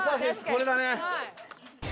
これだね！